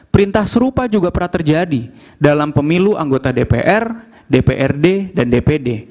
perintah serupa juga pernah terjadi dalam pemilu anggota dpr dprd dan dpd